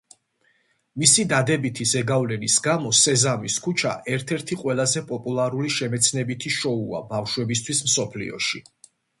მისი დადებითი ზეგავლენის გამო სეზამის ქუჩა ერთ-ერთი ყველაზე პოპულარული შემეცნებითი შოუა ბავშვებისთვის მსოფლიოში.